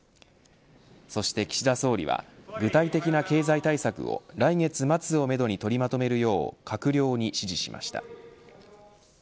そして岸田総理は具体的な経済対策を来月末をめどに取りまとめるよう閣僚に指示しました。